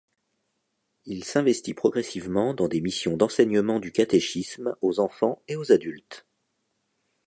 Il s'investit progressivement dans des missions d'enseignement du catéchisme aux enfants et aux adultes.